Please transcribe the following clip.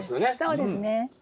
そうですね。